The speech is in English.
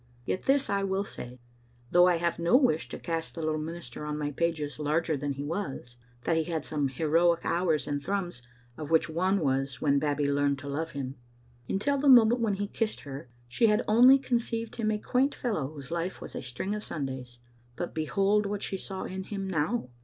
Yet this I will say, though I have no wish to cast the little minister on my pages larger than he was, that he had some heroic hours in Thrums, of which one was when Babbie learned to love him. Until the moment when he kissed her she had only conceived him a quaint fellow whose life was a string of Sundays, but behold what she saw in him now.